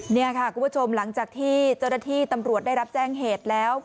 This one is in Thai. นี่ค่ะคุณผู้ชมหลังจากที่เจ้าหน้าที่ตำรวจได้รับแจ้งเหตุแล้ว